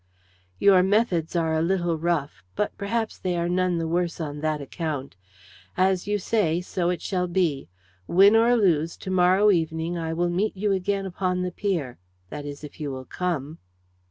"Your methods are a little rough, but perhaps they are none the worse on that account. As you say so shall it be. Win or lose, to morrow evening I will meet you again upon the pier that is, if you will come."